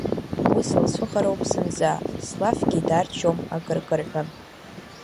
Уи сылцәыхароуп зынӡа, слафгьы дарччом акыркырҳәа…